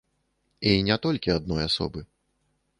І не толькі адной асобы.